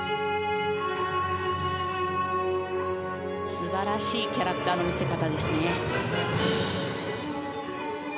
素晴らしいキャラクターの見せ方ですね。